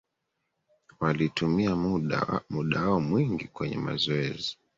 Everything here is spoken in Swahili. walitumia muda wao mwingi kwenye mazoezi